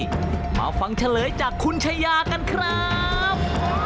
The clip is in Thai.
มาฟังเฉลยจากคุณชายากันครับ